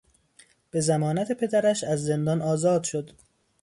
به ضمانت پدرش از زندان آزاد شد.